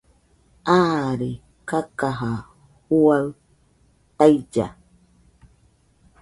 Aare kakaja juaɨ tailla